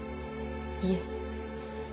いえ。